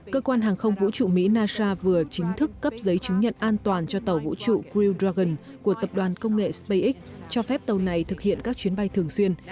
cơ quan hàng không vũ trụ mỹ nasa vừa chính thức cấp giấy chứng nhận an toàn cho tàu vũ trụ crew dragon của tập đoàn công nghệ spacex cho phép tàu này thực hiện các chuyến bay thường xuyên